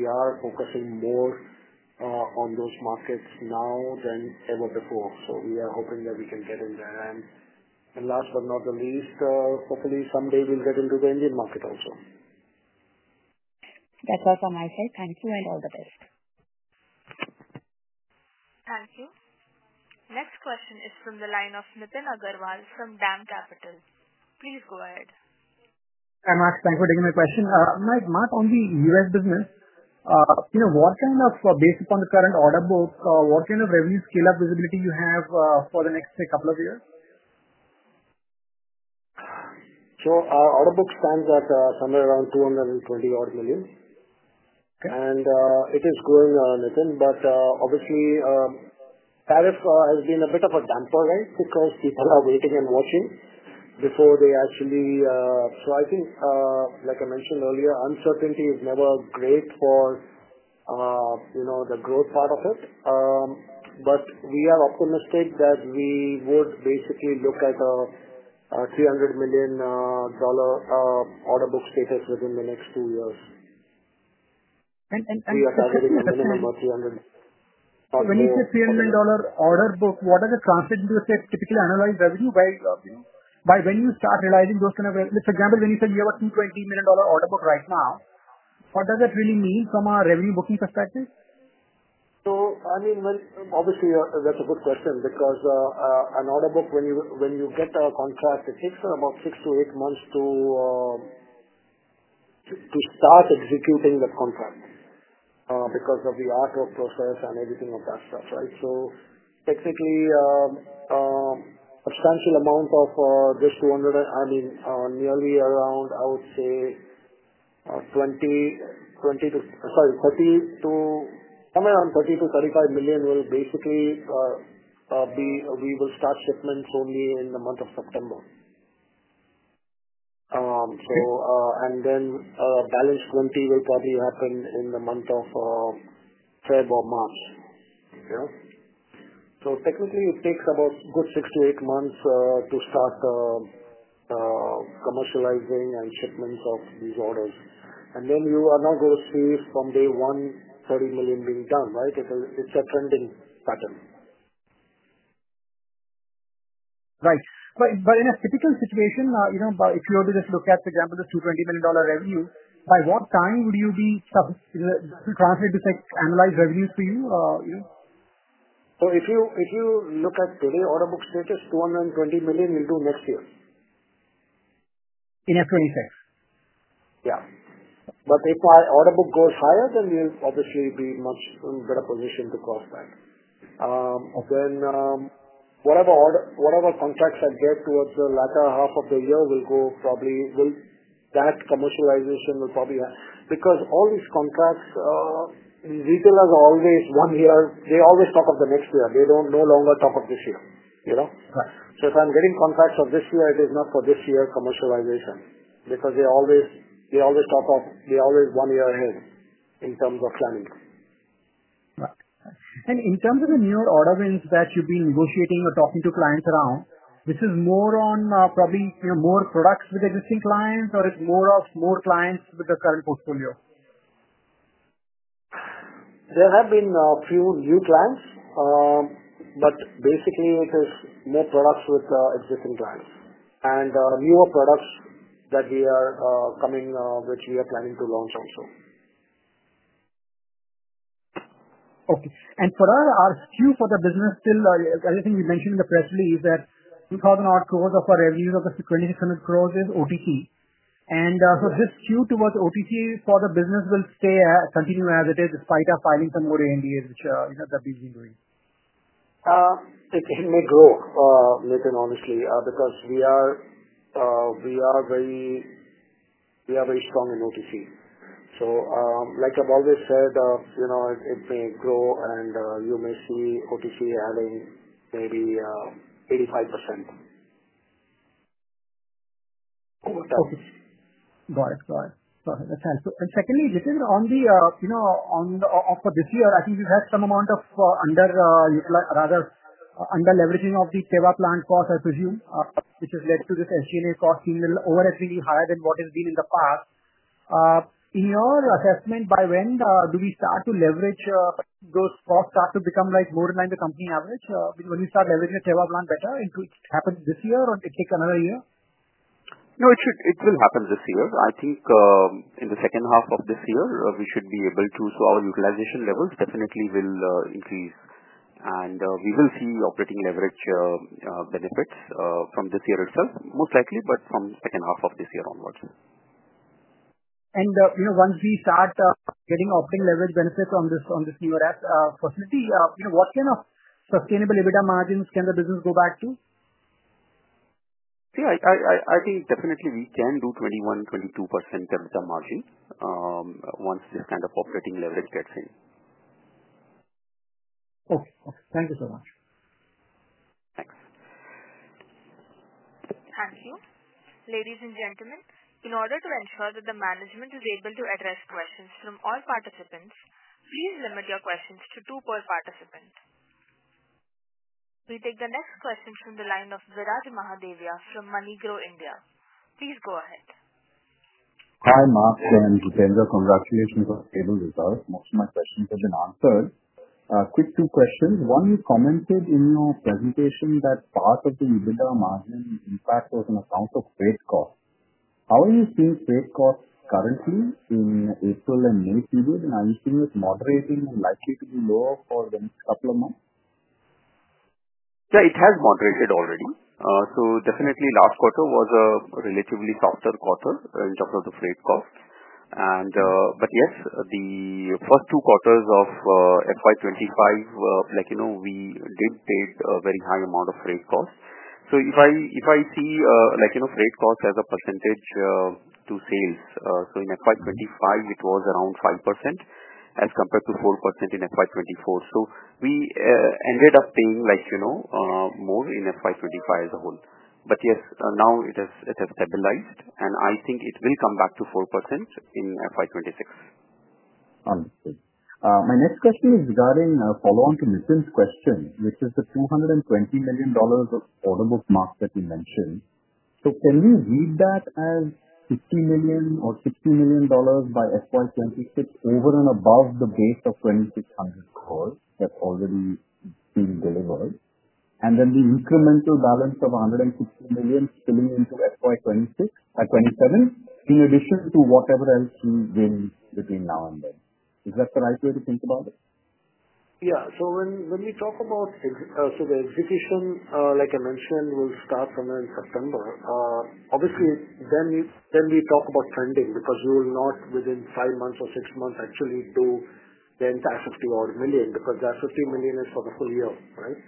are focusing more on those markets now than ever before. We are hoping that we can get in there. Last but not the least, hopefully, someday we'll get into the Indian market also. That's all from my side. Thank you and all the best. Thank you. Next question is from the line of Nitin Agarwal from Dam Capital. Please go ahead. Hi, Max. Thanks for taking my question. Not only U.S. business. What kind of, based upon the current order book, what kind of revenue scale-up visibility do you have for the next couple of years? Our order book stands at somewhere around $220 million-odd. It is growing, Nitin. Obviously, tariff has been a bit of a damper, right, because people are waiting and watching before they actually—so I think, like I mentioned earlier, uncertainty is never great for the growth part of it. We are optimistic that we would basically look at a $300 million order book status within the next two years. We are targeting a minimum of $300 million. When you say $300 million order book, what does it translate into a typically analyzed revenue? By when you start realizing those kind of revenues, for example, when you say you have a $220 million order book right now, what does that really mean from a revenue booking perspective? I mean, obviously, that's a good question because an order book, when you get a contract, it takes about six to eight months to start executing that contract because of the art of process and everything of that stuff, right? Technically, a substantial amount of this $200 million, I mean, nearly around, I would say, 20 to, sorry, 30 to somewhere around $30 million-$35 million will basically be, we will start shipments only in the month of September. The balance $20 million will probably happen in the month of February or March. Technically, it takes about a good six to eight months to start commercializing and shipments of these orders. You are not going to see from day one $30 million being done, right? It's a trending pattern. Right. But in a typical situation, if you were to just look at, for example, the $220 million revenue, by what time would you be able to translate this to annualized revenues for you? If you look at today's order book status, $220 million will do next year. In F-26? Yeah. If my order book goes higher, then we'll obviously be in a much better position to cross that. Whatever contracts I get towards the latter half of the year, that commercialization will probably, because all these contracts, retailers always one year, they always talk of the next year. They no longer talk of this year. If I'm getting contracts of this year, it is not for this year commercialization because they always talk of, they are always one year ahead in terms of planning. Right. In terms of the newer order wins that you've been negotiating or talking to clients around, is this more on probably more products with existing clients, or is it more of more clients with the current portfolio? There have been a few new clients, but basically, it is more products with existing clients and newer products that we are coming, which we are planning to launch also. Okay. For our SKU for the business still, everything we mentioned in the press release that 2,000-odd crores of our revenues of the 2,600 crores is OTC. This skew towards OTC for the business will continue as it is despite us filing some more ANDAs, which that means we're doing? It may grow, Nitin, honestly, because we are very strong in OTC. Like I've always said, it may grow, and you may see OTC adding maybe 85%. Got it. Got it. Got it. That's helpful. Secondly, Nitin, for this year, I think you've had some amount of under-leveraging of the Teva plant cost, I presume, which has led to this SG&A cost being a little over, actually higher than what has been in the past. In your assessment, by when do we start to leverage those costs, start to become more in line with the company average? When you start leveraging the Teva plant better, does it happen this year, or does it take another year? No, it will happen this year. I think in the second half of this year, we should be able to, so our utilization levels definitely will increase. We will see operating leverage benefits from this year itself, most likely, but from the second half of this year onwards. Once we start getting operating leverage benefits on this newer facility, what kind of sustainable EBITDA margins can the business go back to? Yeah. I think definitely we can do 21%-22% EBITDA margin once this kind of operating leverage gets in. Okay. Okay. Thank you so much. Thanks. Thank you. Ladies and gentlemen, in order to ensure that the management is able to address questions from all participants, please limit your questions to two per participant. We take the next question from the line of Viraj Mahadevia from MoneyGrow India. Please go ahead. Hi, Mark and Jitendra. Congratulations on the table result. Most of my questions have been answered. Quick two questions. One, you commented in your presentation that part of the EBITDA margin impact was on account of freight costs. How are you seeing freight costs currently in the April and May period? Are you seeing it moderating and likely to be lower for the next couple of months? Yeah. It has moderated already. Definitely, last quarter was a relatively softer quarter in terms of the freight costs. Yes, the first two quarters of FY2025, we did pay a very high amount of freight costs. If I see freight costs as a percentage to sales, in FY2025, it was around 5% as compared to 4% in FY2024. We ended up paying more in FY2025 as a whole. Yes, now it has stabilized, and I think it will come back to 4% in FY2026. Understood. My next question is regarding a follow-on to Nitin's question, which is the $220 million order book marks that you mentioned. Can we read that as $50 million or $60 million by FY2026 over and above the base of 2,600 crore that is already being delivered? The incremental balance of $160 million spilling into FY2027 in addition to whatever else you win between now and then. Is that the right way to think about it? Yeah. When we talk about the execution, like I mentioned, it will start somewhere in September. Obviously, then we talk about trending because you will not, within five months or six months, actually do the entire $50 million because that $50 million is for the full year, right?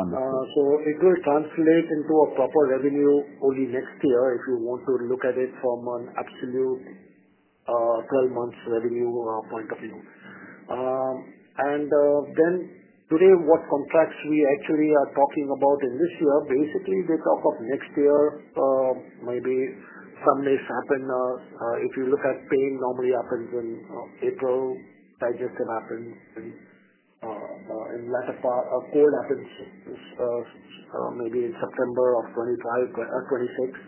Understood. It will translate into a proper revenue only next year if you want to look at it from an absolute 12-month revenue point of view. Today, what contracts we actually are talking about in this year, basically, they talk of next year. Maybe some days happen. If you look at pain, normally happens in April. Digestive happens in latter part. Cold happens maybe in September of 2025 or 2026.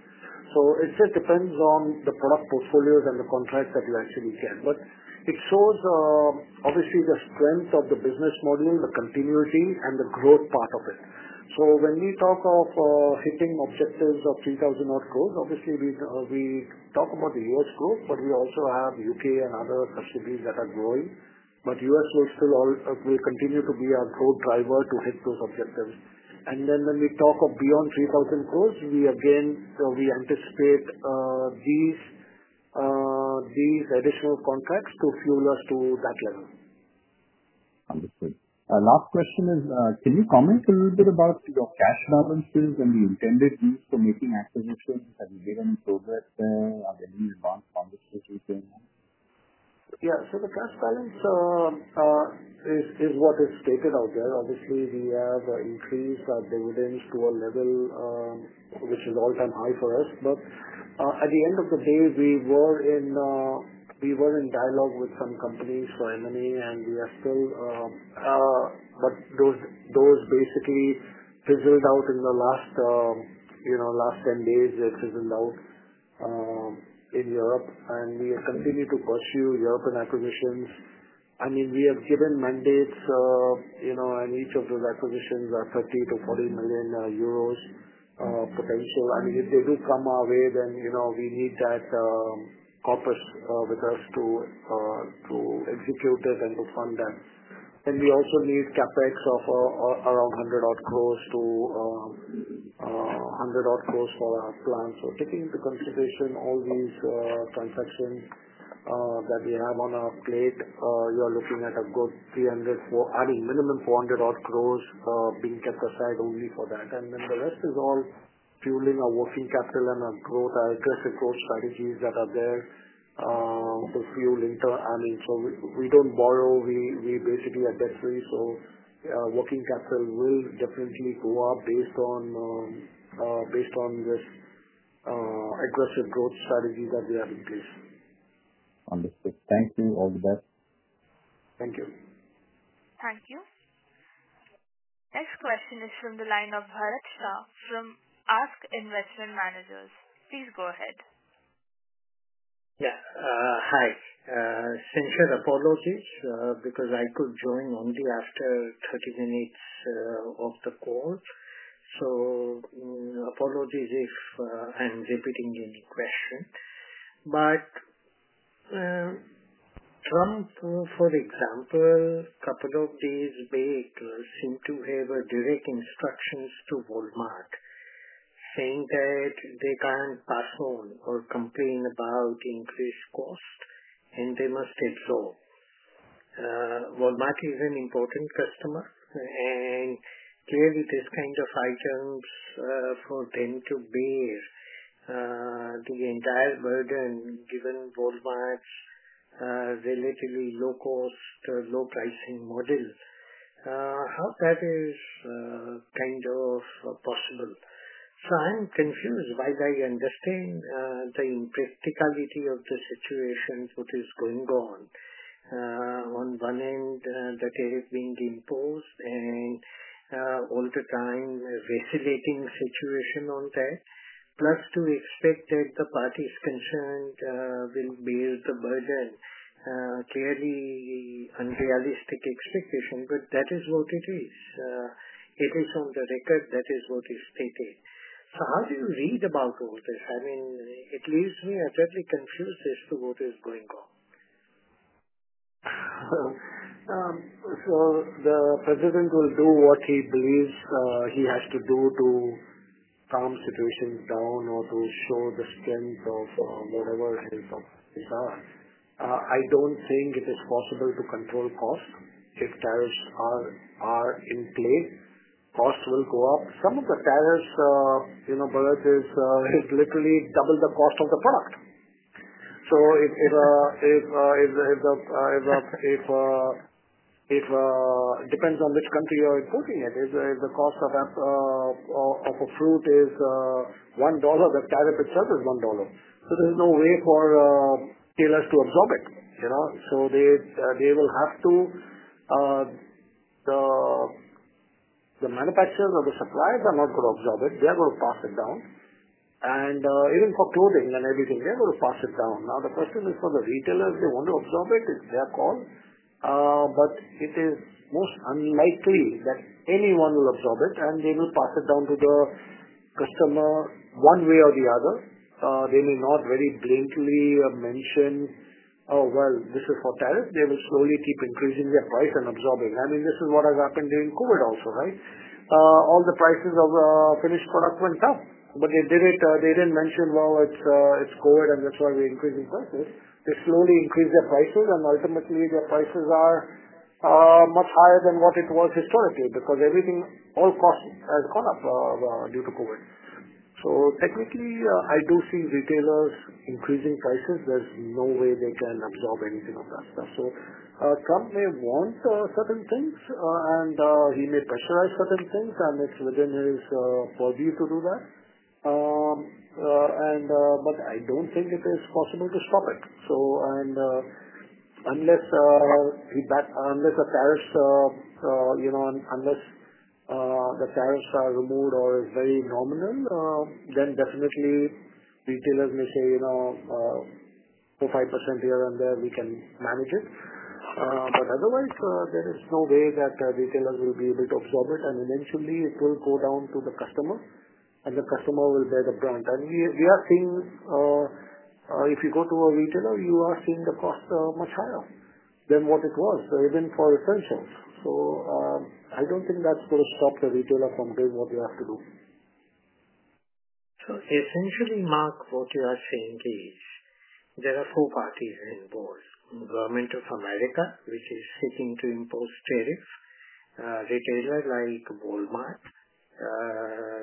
It just depends on the product portfolios and the contracts that you actually get. It shows, obviously, the strength of the business model, the continuity, and the growth part of it. When we talk of hitting objectives of 3,000-odd crore, obviously, we talk about the U.S. growth, but we also have U.K. and other subsidiaries that are growing. U.S. will still continue to be our growth driver to hit those objectives. When we talk of beyond 3,000 crore, we again anticipate these additional contracts to fuel us to that level. Understood. Last question is, can you comment a little bit about your cash balances and the intended use for making acquisitions? Have you made any progress there? Are there any advanced conversations going on? Yeah. So the cash balance is what is stated out there. Obviously, we have increased dividends to a level which is all-time high for us. At the end of the day, we were in dialogue with some companies, M&A, and we are still. Those basically fizzled out in the last 10 days. They fizzled out in Europe. We continue to pursue European acquisitions. I mean, we have given mandates, and each of those acquisitions are 30 million-40 million euros potential. I mean, if they do come our way, then we need that corpus with us to execute it and to fund that. We also need CapEx of around 100 crore-100 crore for our plant. Taking into consideration all these transactions that we have on our plate, you are looking at a good 300 crore, I mean, minimum 400-odd crore being kept aside only for that. The rest is all fueling our working capital and our growth, our aggressive growth strategies that are there to fuel. I mean, we do not borrow. We basically are debt-free. Working capital will definitely go up based on this aggressive growth strategy that we have in place. Understood. Thank you. All the best. Thank you. Thank you. Next question is from the line of Bharat Shah from Ask Investment Managers. Please go ahead. Yeah. Hi. Since your apologies, because I could join only after 30 minutes of the call. Apologies if I'm repeating any question. Trump, for example, a couple of days back, seemed to have direct instructions to Walmart saying that they can't pass on or complain about increased cost, and they must absorb. Walmart is an important customer, and clearly, this kind of items for them to bear the entire burden given Walmart's relatively low-cost, low-pricing model, how that is kind of possible. I'm confused whether you understand the impracticality of the situation, what is going on. On one end, the tariff being imposed and all the time vacillating situation on that, plus to expect that the parties concerned will bear the burden. Clearly, unrealistic expectation, but that is what it is. It is on the record. That is what is stated. How do you read about all this? I mean, it leaves me totally confused as to what is going on. The president will do what he believes he has to do to calm situations down or to show the strength of whatever his is. It is hard. I do not think it is possible to control costs if tariffs are in play. Costs will go up. Some of the tariffs, Barat, is literally double the cost of the product. It depends on which country you are importing it. If the cost of a fruit is $1, the tariff itself is $1. There is no way for tailors to absorb it. They will have to. The manufacturers or the suppliers are not going to absorb it. They are going to pass it down. Even for clothing and everything, they are going to pass it down. The question is for the retailers. They want to absorb it. It is their call. It is most unlikely that anyone will absorb it, and they will pass it down to the customer one way or the other. They may not very blatantly mention, "Oh, well, this is for tariff." They will slowly keep increasing their price and absorbing. I mean, this is what has happened during COVID also, right? All the prices of finished products went up. They did not mention, "Well, it's COVID, and that's why we're increasing prices." They slowly increased their prices, and ultimately, their prices are much higher than what it was historically because all costs have gone up due to COVID. Technically, I do see retailers increasing prices. There is no way they can absorb anything of that stuff. Trump may want certain things, and he may pressurize certain things, and it is within his purview to do that. I don't think it is possible to stop it. Unless the tariffs are removed or it's very nominal, then definitely retailers may say, "4%-5% here and there, we can manage it." Otherwise, there is no way that retailers will be able to absorb it. Eventually, it will go down to the customer, and the customer will bear the brunt. We are seeing if you go to a retailer, you are seeing the cost much higher than what it was, even for essentials. I don't think that's going to stop the retailer from doing what they have to do. Essentially, Mark, what you are saying is there are four parties involved: Government of America, which is seeking to impose tariffs; retailer like Walmart;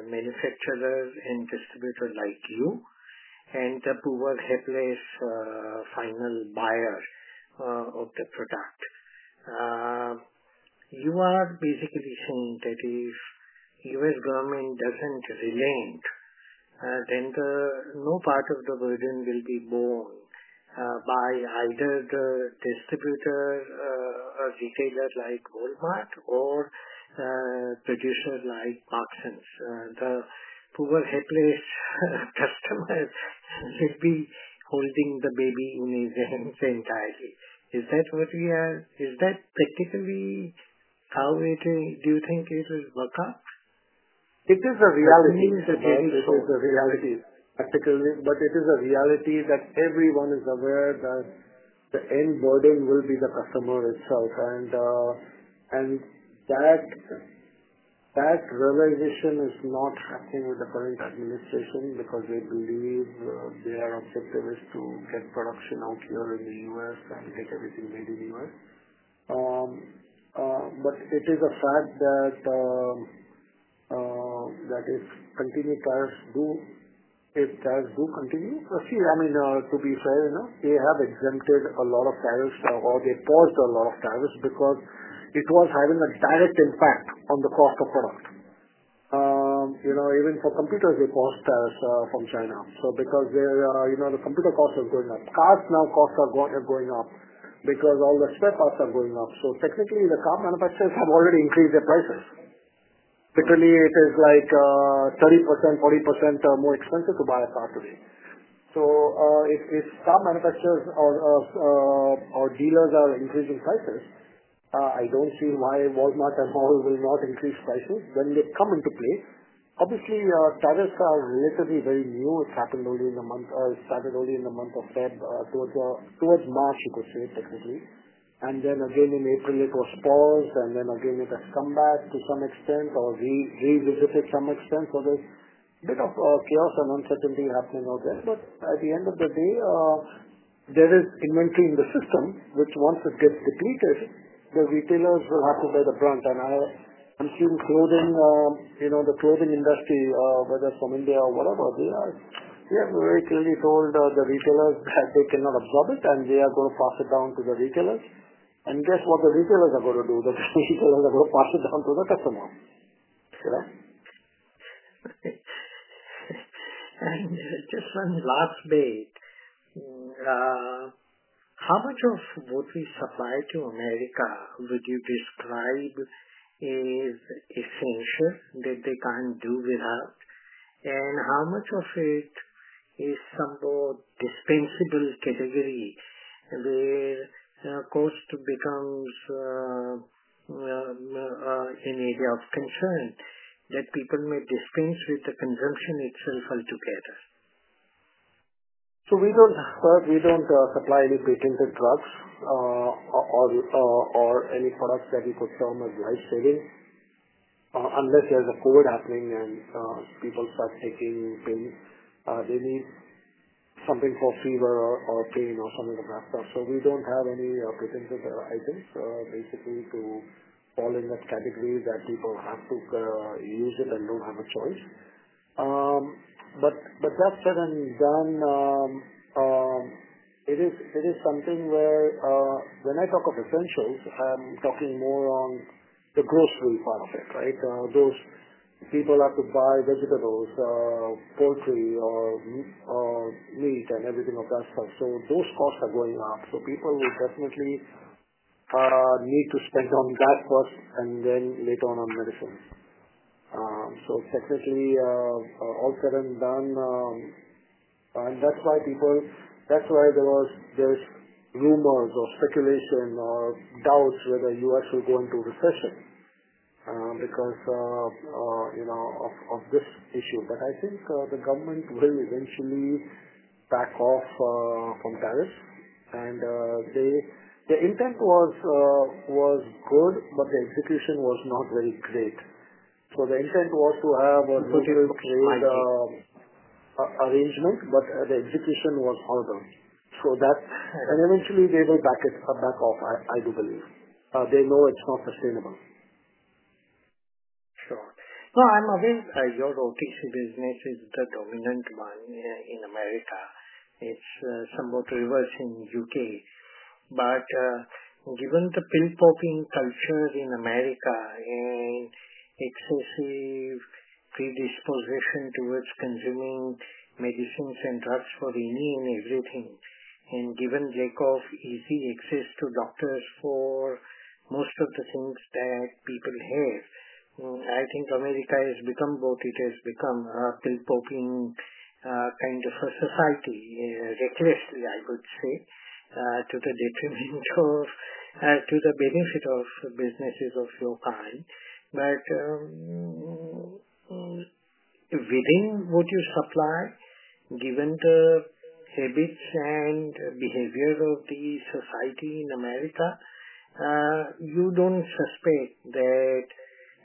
manufacturers and distributors like you; and the poor helpless final buyer of the product. You are basically saying that if the U.S. government doesn't relent, then no part of the burden will be borne by either the distributor or retailer like Walmart or producer like Marksans. The poor helpless customers will be holding the baby in his hands entirely. Is that what we are? Is that practically how do you think it will work out? It is a reality. I mean, it is a reality. It is a reality. It is a reality that everyone is aware that the end burden will be the customer itself. That realization is not happening with the current administration because they believe their objective is to get production out here in the U.S. and get everything made in the U.S.. It is a fact that if tariffs do continue—see, I mean, to be fair, they have exempted a lot of tariffs, or they paused a lot of tariffs because it was having a direct impact on the cost of product. Even for computers, they paused tariffs from China because the computer costs are going up. Cars now, costs are going up because all the spare parts are going up. Technically, the car manufacturers have already increased their prices. Literally, it is like 30%-40% more expensive to buy a car today. If car manufacturers or dealers are increasing prices, I do not see why Walmart and Walmart will not increase prices. They come into play. Obviously, tariffs are relatively very new. It started only in the month of February, towards March, you could say, technically. Again, in April, it was paused, and then again, it has come back to some extent or revisited some extent. There is a bit of chaos and uncertainty happening out there. At the end of the day, there is inventory in the system, which once it gets depleted, the retailers will have to bear the brunt. I am seeing the clothing industry, whether from India or wherever, they have very clearly told the retailers that they cannot absorb it, and they are going to pass it down to the retailers. Guess what the retailers are going to do? The retailers are going to pass it down to the customer. Just one last bit. How much of what we supply to America would you describe as essential that they can't do without? How much of it is somewhat dispensable category where cost becomes an area of concern that people may dispense with the consumption itself altogether? We do not supply any patented drugs or any products that you could term as life-saving unless there is a COVID happening and people start taking pain. They need something for fever or pain or something of that stuff. We do not have any patented items, basically, to fall in that category that people have to use it and do not have a choice. That said, when I talk of essentials, I am talking more on the grocery part of it, right? People have to buy vegetables, poultry, or meat and everything of that stuff. Those costs are going up. People will definitely need to spend on that first and then later on on medicine. Technically, all said and done, that is why there are rumors or speculation or doubts whether you actually go into recession because of this issue. I think the government will eventually back off from tariffs. The intent was good, but the execution was not very great. The intent was to have a little trade arrangement, but the execution was horrible. Eventually, they will back off, I do believe. They know it is not sustainable. Sure. No, I'm aware. Your rotation business is the dominant one in the U.S. It's somewhat reverse in the U.K. Given the pill-popping culture in America and excessive predisposition towards consuming medicines and drugs for any and everything, and given lack of easy access to doctors for most of the things that people have, I think America has become what it has become, a pill-popping kind of a society, recklessly, I would say, to the detriment of—to the benefit of businesses of your kind. Within what you supply, given the habits and behavior of the society in America, you don't suspect that,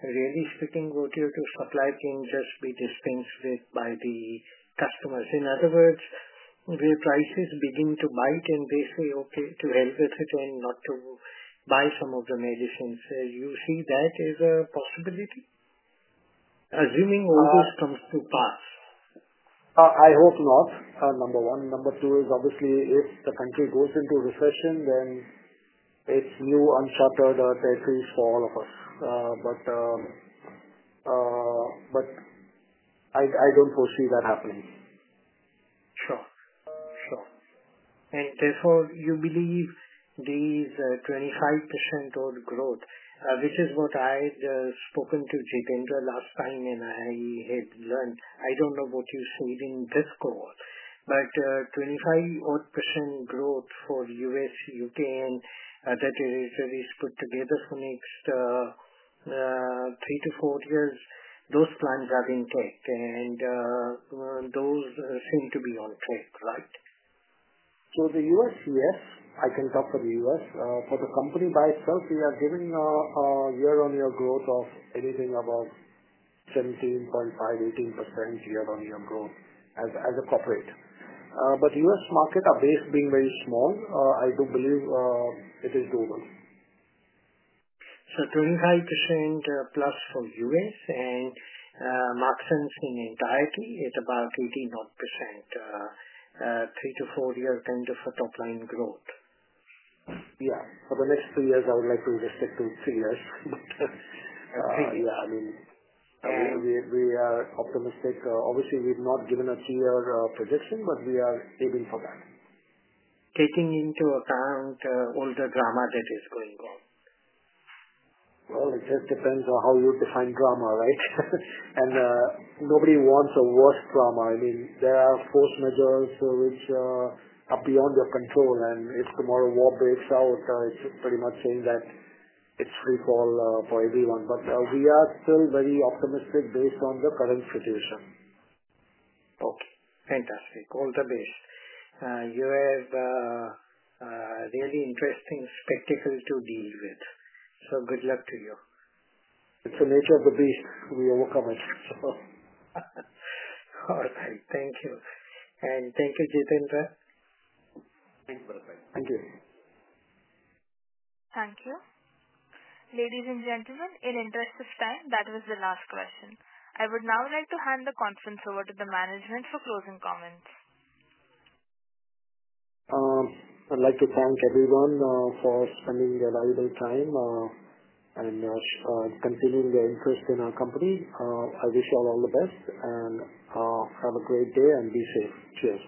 really speaking, what you supply can just be dispensed with by the customers. In other words, will prices begin to bite and they say, "Okay, to hell with it and not to buy some of the medicines." You see that as a possibility? Assuming all this comes to pass. I hope not, number one. Number two is, obviously, if the country goes into recession, then it's new, unchartered territories for all of us. I don't foresee that happening. Sure. Sure. Therefore, you believe this 25% odd growth, which is what I had spoken to Jitendra last time, and I had learned—I do not know what you said in this call—but 25-odd % growth for U.S., U.K., and other territories put together for the next three to four years, those plans are intact, and those seem to be on track, right? For the U.S., yes. I can talk for the U.S. For the company by itself, we are giving a year-on-year growth of anything about 17.5%-18% year-on-year growth as a corporate. The U.S. market, our base being very small, I do believe it is doable. Twenty-five percent plus for U.S. and Marksans in entirety, it's about 80-odd percent, three- to four-year kind of a top-line growth. Yeah. For the next three years, I would like to restrict to three years. Three years. Yeah. I mean, we are optimistic. Obviously, we've not given a three-year projection, but we are aiming for that. Taking into account all the drama that is going on. It just depends on how you define drama, right? Nobody wants a worse drama. I mean, there are force majeures which are beyond your control. If tomorrow war breaks out, it's pretty much saying that it's free fall for everyone. We are still very optimistic based on the current situation. Okay. Fantastic. All the best. You have a really interesting spectacle to deal with. So good luck to you. It's the nature of the beast. We overcome it, so. All right. Thank you. Thank you, Jitendra. Thank you, Bharat. Thank you. Thank you. Ladies and gentlemen, in the interest of time, that was the last question. I would now like to hand the conference over to the management for closing comments. I'd like to thank everyone for spending their valuable time and continuing their interest in our company. I wish you all the best, and have a great day and be safe. Cheers.